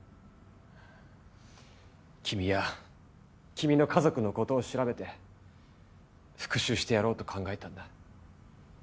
君や君の家族の事を調べて復讐してやろうと考えたんだ。